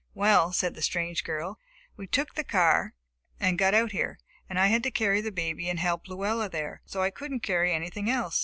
"Well," said the strange girl, "we took the car, and got out here, and I had to carry the baby and help Luella there, so I couldn't carry anything else.